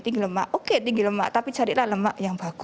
tinggi lemak oke tinggi lemak tapi carilah lemak yang bagus